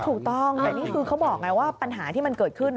ถูกต้องแต่นี่คือเขาบอกไงว่าปัญหาที่มันเกิดขึ้น